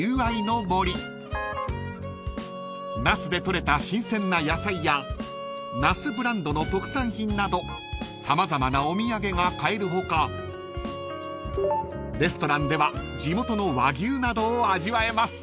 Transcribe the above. ［那須で取れた新鮮な野菜や那須ブランドの特産品など様々なお土産が買える他レストランでは地元の和牛などを味わえます］